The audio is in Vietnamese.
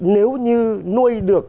nếu như nuôi được